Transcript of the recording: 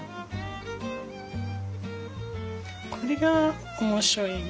これが面白いよね